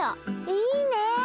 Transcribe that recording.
いいねえ！